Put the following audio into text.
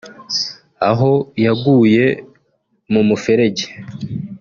aho yaguye mu muferege